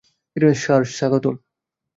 Sir, স্বাগতম।